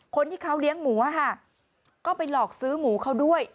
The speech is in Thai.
คนที่เขาเลี้ยงหมูค่ะก็ไปหลอกซื้อหมูเขาด้วย